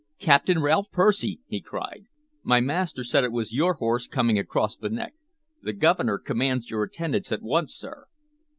"Captain Ralph Percy!" he cried. "My master said it was your horse coming across the neck. The Governor commands your attendance at once, sir."